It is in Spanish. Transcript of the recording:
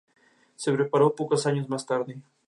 Se separó pocos años más tarde.